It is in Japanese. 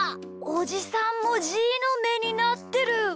おじさんもじーのめになってる！